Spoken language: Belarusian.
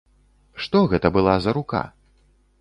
Што гэта была за рука.